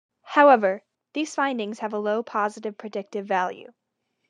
However, these findings have a low positive predictive value.